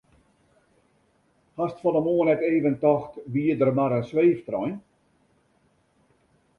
Hast fan 'e moarn net even tocht wie der mar in sweeftrein?